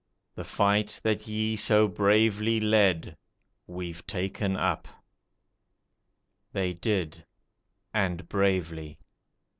The fight that ye so bravely led We've taken up." They did and bravely.